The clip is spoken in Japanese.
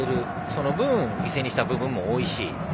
その分、犠牲にした部分も多いし。